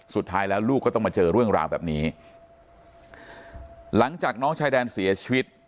สุดท้ายแล้วลูกก็ต้องมาเจอเรื่องราวแบบนี้หลังจากน้องชายแดนเสียชีวิต